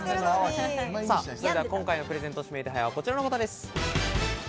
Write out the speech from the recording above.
今回のプレゼント指名手配はこちらの方です。